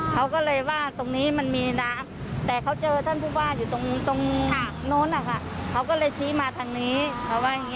เขากลัวธรรมวาสจะตำแหน่ง